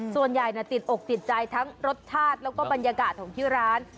ส่วนใหญ่ติดอกติดใจทั้งรสชาติแล้วก็บรรยากาศของที่ร้าน